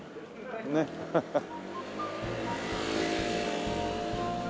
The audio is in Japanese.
ねっハハッ。